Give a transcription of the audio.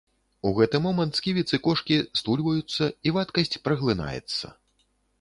У гэты момант сківіцы кошкі стульваюцца, і вадкасць праглынаецца.